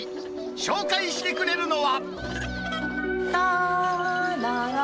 紹介してくれるのは。